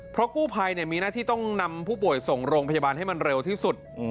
เพราะกู้ภัยมีหน้าที่ต้องนำผู้ป่วยส่งโรงพยาบาลให้มันเร็วที่สุด